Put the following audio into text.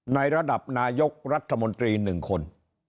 ในระดับนายกรัฐมนตรี๑คน